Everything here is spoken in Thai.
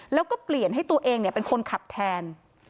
แล้วก็เปลี่ยนให้ตัวเองเป็นคนขับแทน